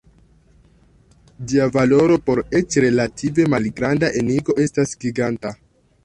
Ĝia valoro por eĉ relative malgranda enigo estas "giganta".